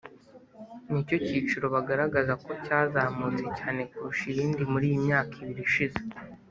nicyo cyiciro bagaragaza ko cyazamutse cyane kurusha ibindi muri iyi myaka ibiri ishize